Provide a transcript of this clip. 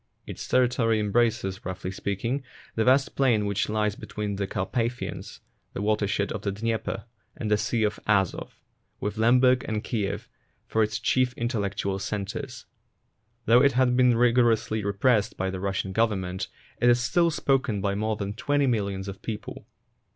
Its territory embraces, roughly speaking, that vast plain which lies between the Carpathians, the watershed of the Dnieper, and the Sea of Azov, with Lemberg and Kiev for its chief in tellectual centres. Though it has been rigorously repressed by the Russian Government, it is still spoken by more than twenty millions of people.